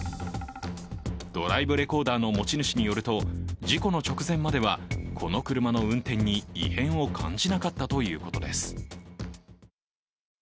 ドライブレコーダーの持ち主によると事故の直前までは、この車の運転に異変を感じなかったということです。